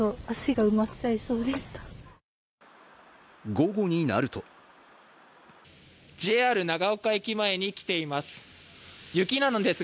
午後になるとＪＲ長岡駅前に来ています。